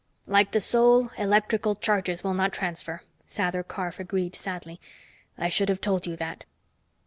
"Like the soul, electrical charges will not transfer," Sather Karf agreed sadly. "I should have told you that."